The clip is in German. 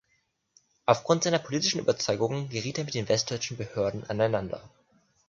Aufgrund seiner politischen Überzeugungen geriet er mit den westdeutschen Behörden aneinander.